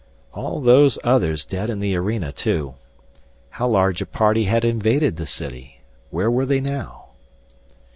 All those others dead in the arena, too. How large a party had invaded the city? Where were they now?